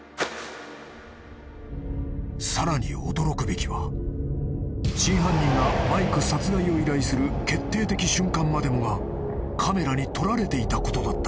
［さらに驚くべきは真犯人がマイク殺害を依頼する決定的瞬間までもがカメラに撮られていたことだった］